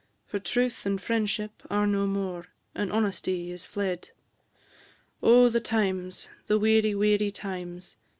For truth and friendship are no more, And honesty is fled: Oh, the times, the weary, weary times!